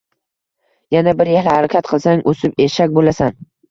Yana bir yil harakat qilsang, o‘sib Eshak bo‘lasan.